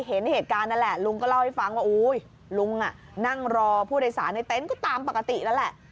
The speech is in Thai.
เห็นเหตุการณ์นั่นแหละลุงก็เล่าให้ฟังว่าอุ้ยลุงนั่งรอผู้โดยสารในเต็นต์ก็ตามปกตินั่นแหละ